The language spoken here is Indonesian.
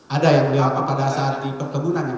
ada yang dijawab pada saat di kebunan